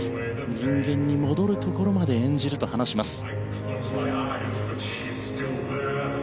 人間に戻るところまで演じると話します。